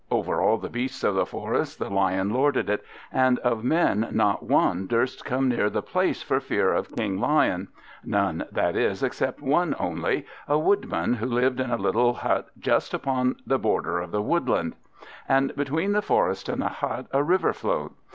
Over all the beasts of the forest the Lion lorded it, and of men not one durst come near the place for fear of King Lion; none, that is, except one only, a Woodman who lived in a little hut just upon the borders of the woodland; and between the forest and the hut a river flowed.